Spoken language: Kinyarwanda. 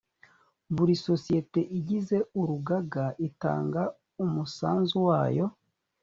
buri sosiyete igize urugaga itanga umusanzu wayo.